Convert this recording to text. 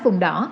và vùng đỏ